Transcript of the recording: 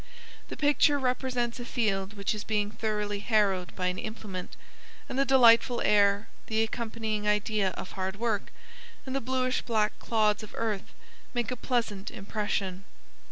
The picture represents a field which is being thoroughly harrowed by an implement, and the delightful air, the accompanying idea of hard work, and the bluish black clods of earth make a pleasant impression.